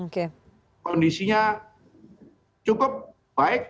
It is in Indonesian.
kondisinya cukup baik